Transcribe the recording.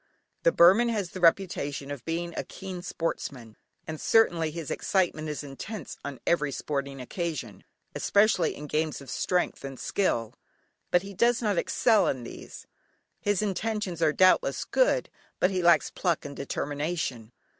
The Burman has the reputation of being a keen sportsman, and certainly, his excitement is intense on every sporting occasion, especially in games of strength and skill. But he does not excel in these. His intentions are doubtless good, but he lacks pluck and determination.